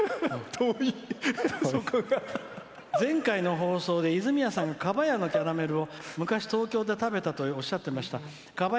「前回の放送で泉谷さん、カバヤのキャラメルを昔、東京で食べたとおっしゃっていました。